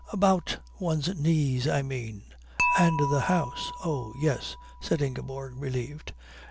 "About one's knees, I mean, and the house." "Oh, yes," said Ingeborg, relieved.